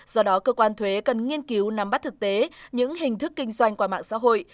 do đó cơ quan thuế cần nghiên cứu nắm bắt thực tế những hình thức kinh doanh qua mạng xã hội